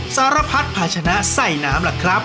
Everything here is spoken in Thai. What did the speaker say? สารพัดผาชนะใส่น้ำ